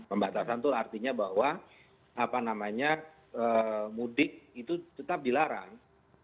pembatasan itu artinya bahwa mudik itu tetap dilarang